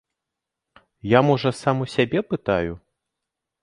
Я, можа, сам у сябе пытаю?